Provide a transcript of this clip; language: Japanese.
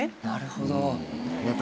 なるほど。